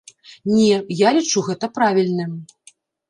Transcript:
Не, я лічу гэта правільным.